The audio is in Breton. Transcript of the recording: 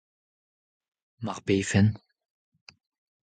Mar befen.